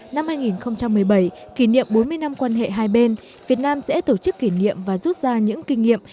năm hai nghìn một mươi bảy kỷ niệm bốn mươi năm quan hệ hai bên việt nam sẽ tổ chức kỷ niệm và rút ra những kinh nghiệm